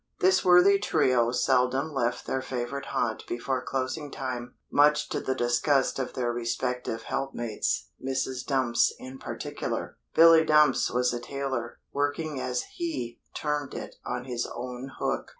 This worthy trio seldom left their favourite haunt before closing time, much to the disgust of their respective helpmates, Mrs. Dumps in particular. Billy Dumps was a tailor, working as he termed it on his own hook.